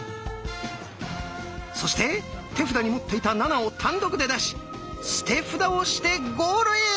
そして手札に持っていた「７」を単独で出し捨て札をしてゴールイン！